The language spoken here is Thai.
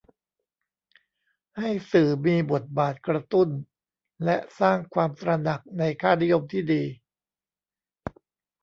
ให้สื่อมีบทบาทกระตุ้นและสร้างความตระหนักในค่านิยมที่ดี